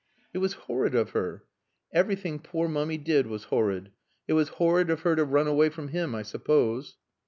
"It was horrid of her." "Everything poor Mummy did was horrid. It was horrid of her to run away from him, I suppose."